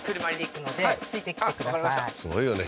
すごいよね